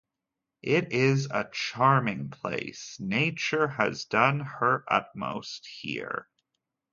It is a charming place -- nature has done her utmost here.